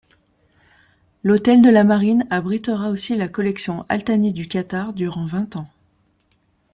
L'hôtel de la Marine abritera aussi la collection al-Thani du Qatar durant vingt ans.